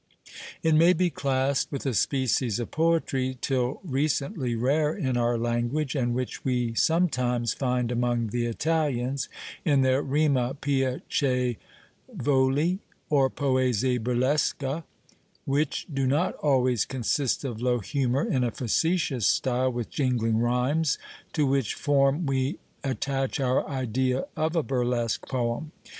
It may be classed with a species of poetry, till recently, rare in our language, and which we sometimes find among the Italians, in their rime piacevoli, or poesie burlesche, which do not always consist of low humour in a facetious style with jingling rhymes, to which form we attach our idea of a burlesque poem.